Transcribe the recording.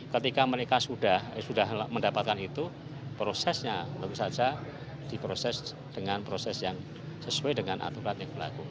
ketika mereka sudah mendapatkan itu prosesnya tentu saja diproses dengan proses yang sesuai dengan aturan yang berlaku